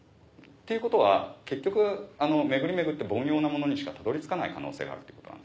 っていうことは結局巡り巡って凡庸なものにしかたどり着かない可能性があるってことなんですね。